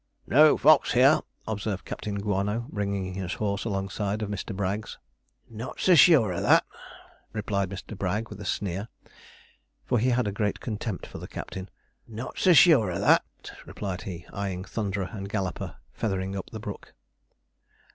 'No fox here,' observed Captain Guano, bringing his horse alongside of Mr. Bragg's. 'Not so sure o' that,' replied Mr. Bragg, with a sneer, for he had a great contempt for the captain. 'Not so sure o' that,' replied he, eyeing Thunderer and Galloper feathering up the brook.